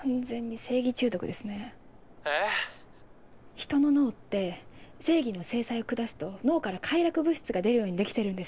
人の脳って正義の制裁を下すと脳から快楽物質が出るように出来てるんです。